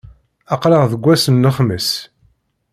Aql-aɣ deg ass n lexmis.